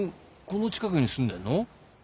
この近くに住んでるの？